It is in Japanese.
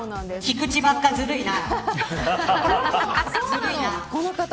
菊地ばっかずるいな。